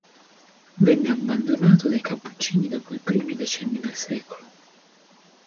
Venne abbandonato dai Cappuccini dopo i primi decenni del secolo.